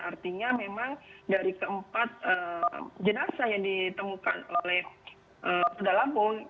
artinya memang dari keempat jenazah yang ditemukan oleh polda lampung